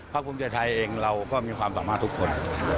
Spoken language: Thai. ภูมิใจไทยเองเราก็มีความสามารถทุกคน